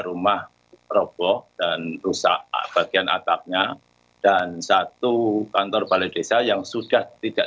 rumah roboh dan rusak bagian atapnya dan satu kantor balai desa yang sudah tidak